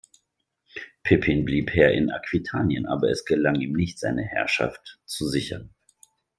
Pippin blieb Herr in Aquitanien, aber es gelang ihm nicht seine Herrschaft zusichern.